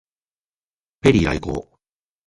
ペリー来航